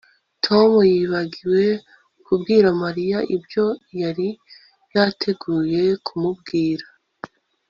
Tom yibagiwe kubwira Mariya ibyo yari yateguye kumubwira